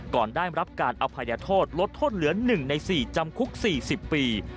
ก่อนได้รับการอภัยโทษลดโทษเหลือ๑ใน๔จำคุก๔๐ปี